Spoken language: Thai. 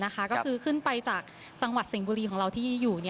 ก็คือขึ้นไปจากจังหวัดสิงห์บุรีของเราที่อยู่